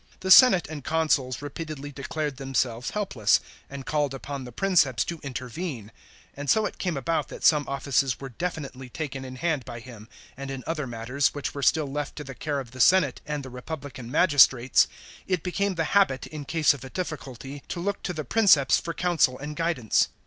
The senate and consuls repeatedly declared themselves helpless, and called upon the Princeps to intervene; and so it came about that some offices were definitely taken in hand by him, and in other matters, which were still left to the care of the senate and the republican magistrates, it became the habit, in case of a difficulty, to look to the Princeps for counsel and guidance.